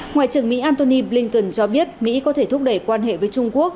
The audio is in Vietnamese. ngoại trưởng mỹ antony blinken cho biết mỹ có thể thúc đẩy quan hệ với trung quốc